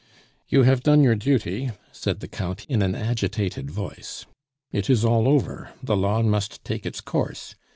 "You have done your duty," said the Count in an agitated voice. "It is all over. The law must take its course.